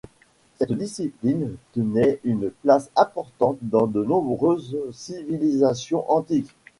Cette discipline tenait une place importante dans de nombreuses civilisations antiques.